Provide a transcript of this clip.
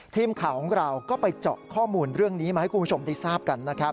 ทีมข่าวของเราก็ไปเจาะข้อมูลเรื่องนี้มาให้คุณผู้ชมได้ทราบกันนะครับ